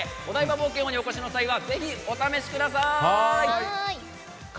冒険王にお越しの際はぜひ、お召し上がりください。